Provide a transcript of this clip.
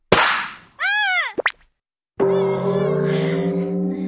あっ！